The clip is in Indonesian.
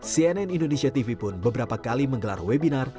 cnn indonesia tv pun beberapa kali menggelar webinar